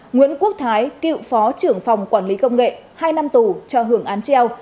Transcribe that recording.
nguyễn quốc thái cựu phó trưởng phòng quản lý công nghệ hai năm tù cho hưởng án treo